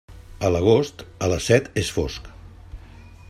A l'agost, a les set és fosc.